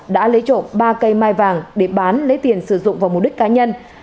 đã lấy trộm ba cây mai vàng để bán lấy tiền sử dụng vào mục đích cá nhân